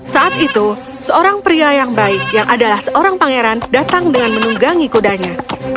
saat itu seorang pria yang baik yang adalah seorang pangeran datang dengan menunggangi kudanya